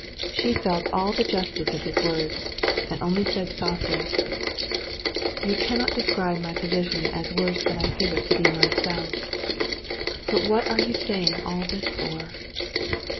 She felt all the justice of his words, and only said softly: "You cannot describe my position as worse than I feel it to be myself; but what are you saying all this for?"